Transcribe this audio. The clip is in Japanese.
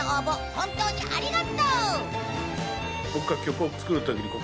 本当にありがとう！